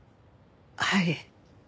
はい。